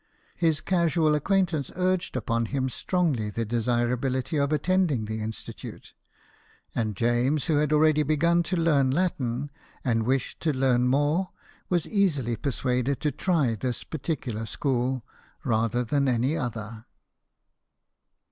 His casual ac quaintance urged upon him strongly the desira bility of attending the institute ; and James, who had already begun to learn Latin, and wished to learn more, was easily persuaded to try this particular school rather than any other.